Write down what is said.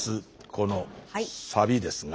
このサビですが。